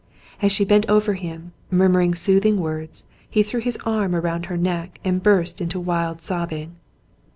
As she bent over him, murmuring sooth ing words, he threw his arms around her neck and burst into wild sobbing.